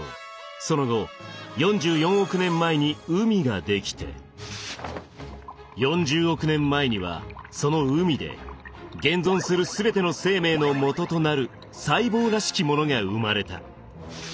その後４４億年前に海が出来て４０億年前にはその海で現存する全ての生命のもととなる細胞らしきものが生まれた。